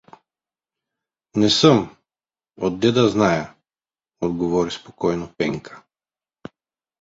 — Не съм… Отде да зная — отговори спокойно Пенка.